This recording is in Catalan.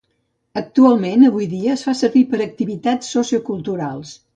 Actualment avui dia es fa servir per activitats socioculturals.